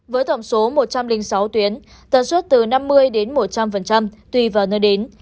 với tổng số một trăm linh sáu tuyến tần suất từ năm mươi đến một trăm linh tùy vào nơi đến